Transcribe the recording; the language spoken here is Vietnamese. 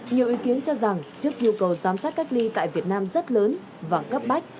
nhiều ý kiến cho rằng trước nhu cầu giám sát cách ly tại việt nam rất lớn và cấp bách